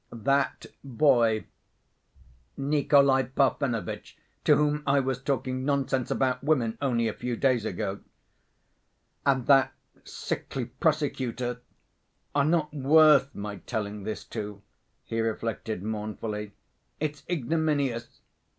"That boy, Nikolay Parfenovitch, to whom I was talking nonsense about women only a few days ago, and that sickly prosecutor are not worth my telling this to," he reflected mournfully. "It's ignominious.